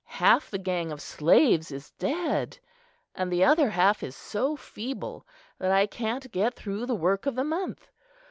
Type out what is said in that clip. "Half the gang of slaves is dead, and the other half is so feeble, that I can't get through the work of the month.